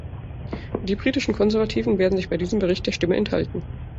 Die britischen Konservativen werden sich bei diesem Bericht der Stimme enthalten.